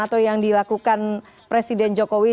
atau yang dilakukan presiden jokowi